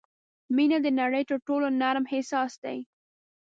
• مینه د نړۍ تر ټولو نرم احساس دی.